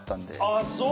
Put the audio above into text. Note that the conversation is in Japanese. ああそう！